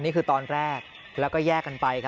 นี่คือตอนแรกแล้วก็แยกกันไป